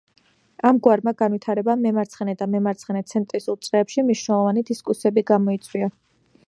ამგვარმა განვითარებამ მემარცხენე და მემარცხენე-ცენტრისტულ წრეებში მნიშვნელოვანი დისკუსიები გამოიწვია.